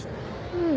うん。